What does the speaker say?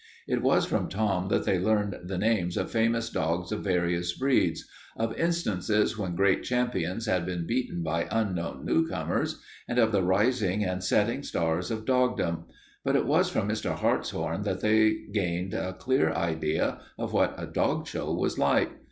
It was from Tom that they learned the names of famous dogs of various breeds, of instances when great champions had been beaten by unknown newcomers, and of the rising and setting stars of dogdom, but it was from Mr. Hartshorn that they gained a clear idea of what a dog show was like.